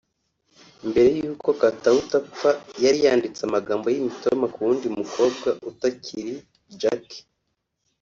Mbere y’uko Katauti apfa yari yanditse amagambo y’imitoma ku wundi mukobwa utakiri Jacky